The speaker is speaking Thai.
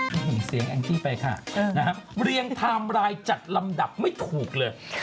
ส่งเสียงแองจี้ไปค่ะนะฮะเรียงไทม์ไลน์จัดลำดับไม่ถูกเลย